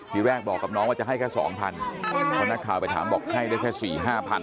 พี่แวกบอกกับน้องว่าจะให้ว่าห้าสองพันตอนพอหน้าข่าวไปถามบอกให้ได้แค่สี่ห้าพัน